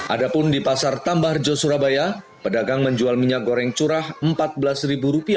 adapun di pasar tambarjo surabaya pedagang menjual minyak goreng curah rp empat belas